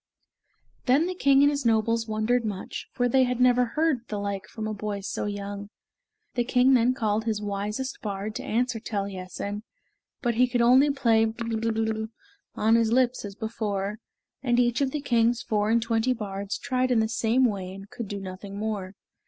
Then the king and his nobles wondered much, for they had never heard the like from a boy so young. The king then called his wisest bard to answer Taliessin, but he could only play "Blerwm" on his lips as before, and each of the king's four and twenty bards tried in the same way and could do nothing more.